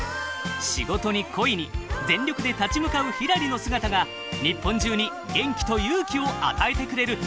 仕事に恋に全力で立ち向かうひらりの姿が日本中に元気と勇気を与えてくれる！